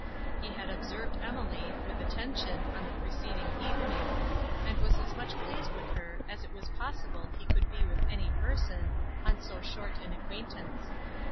He had observed Emily, with attention, on the preceding evening, and was as much pleased with her, as it was possible he could be with any person, on so short an acquaintance.